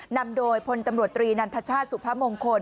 นำโดยพลตำรวจตรีนันทชาติสุพมงคล